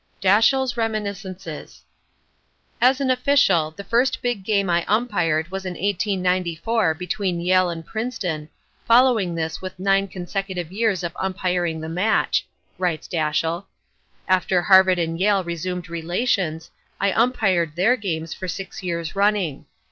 Dashiell's Reminiscences "As an official, the first big game I umpired was in 1894 between Yale and Princeton, following this with nine consecutive years of umpiring the match," writes Dashiell. "After Harvard and Yale resumed relations, I umpired their games for six years running.